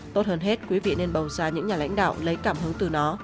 tốt hơn hết quý vị nên bầu ra những nhà lãnh đạo lấy cảm hứng từ nó